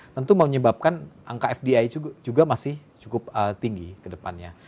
tentu mau menyebabkan angka fdi juga masih cukup tinggi kedepannya